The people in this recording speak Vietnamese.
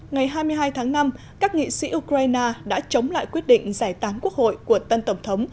ngày hai mươi hai tháng năm các nghị sĩ ukraine đã chống lại quyết định giải tán quốc hội của tân tổng thống